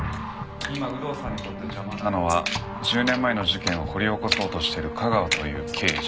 今有働さんにとって邪魔なのは１０年前の事件を掘り起こそうとしてる架川という刑事。